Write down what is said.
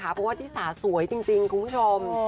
เพราะว่าที่สาสวยจริงคุณผู้ชม